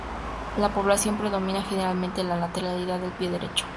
En la población predomina generalmente la lateralidad del pie derecho.